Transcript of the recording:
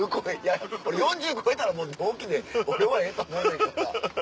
俺４０超えたらもう同期で俺はええと思うねんけどな。